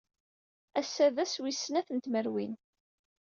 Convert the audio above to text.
Ass-a d ass wis snat n tmerwin.